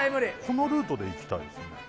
このルートでいきたいですね